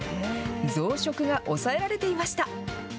増殖が抑えられていました。